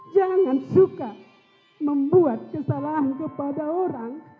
jangan suka membuat kesalahan kepada orang